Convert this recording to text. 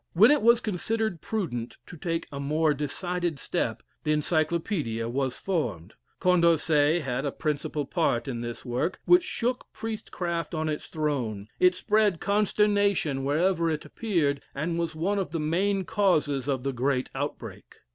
When it was considered prudent to take a more decided step, the Encyclopædia was formed. Condorcet had a principal part in this work, which shook priestcraft on its throne; it spread consternation where ever it appeared, and was one of the main causes of the great outbreak.